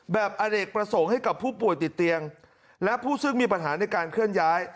อเนกประสงค์ให้กับผู้ป่วยติดเตียงและผู้ซึ่งมีปัญหาในการเคลื่อนย้าย